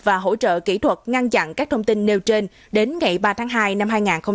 và hỗ trợ kỹ thuật ngăn chặn các thông tin nêu trên đến ngày ba tháng hai năm hai nghìn hai mươi